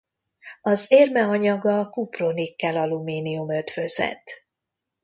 Az érme anyaga kupronikkel-alumínium ötvözet.